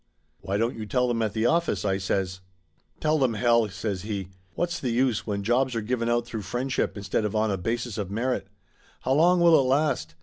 "Why don't you tell them at the office?" I says. "Tell them, hell !" says he. "What's the use, when jobs are given out through friendship instead of on a basis of merit ? How long will it last